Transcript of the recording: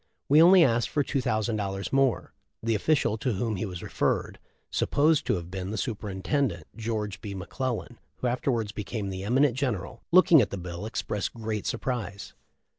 We only asked for 00 more. The official to whom he was referred, — supposed to have been the superintendent George B. McClellan who afterwards became the eminent general. — looking at the bill expressed great sur prise.